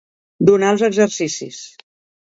Donar els exercicis.